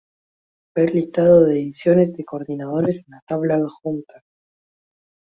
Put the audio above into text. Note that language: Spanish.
Ver listado de ediciones y coordinadores en la tabla adjunta.